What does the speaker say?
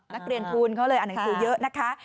นักเรียนทูลเขาเลยอ่านหนังสือเยอะนะคะ